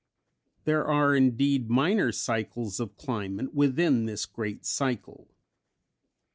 ] There are indeed minor cycles of climate within this great cycle.